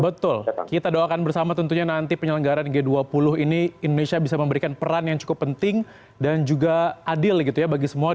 betul kita doakan bersama tentunya nanti penyelenggaran g dua puluh ini indonesia bisa memberikan peran yang cukup penting dan juga adil gitu ya bagi semua